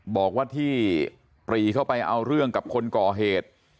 บอกว่าที่ปรีเข้าไปเอาเรื่องกับคนก่อเหตุ